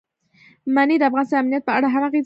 منی د افغانستان د امنیت په اړه هم اغېز لري.